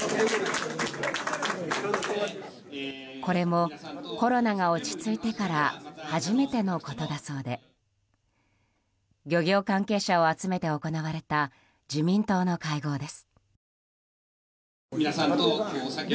これもコロナが落ち着いてから初めてのことだそうで漁業関係者を集めて行われた自民党の会合です。